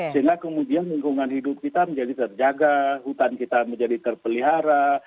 sehingga kemudian lingkungan hidup kita menjadi terjaga hutan kita menjadi terpelihara